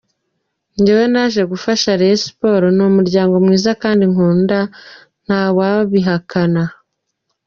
Njyewe naje gufasha Rayon Sports, ni umuryango mwiza kandi nkunda, nta n’uwabihakana.